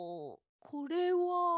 これは。